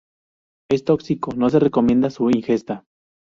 Es tóxico, no se recomienda su ingesta.